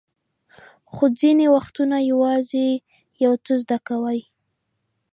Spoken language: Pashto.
خو ځینې وختونه یوازې یو څه زده کوئ.